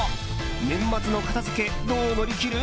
年末の片付けどう乗り切る？